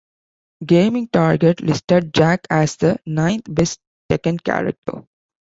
Gaming Target listed Jack as the ninth best "Tekken" character.